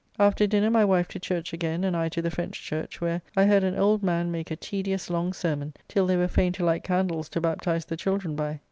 After dinner my wife to church again, and I to the French church, where I heard an old man make a tedious, long sermon, till they were fain to light candles to baptize the children by.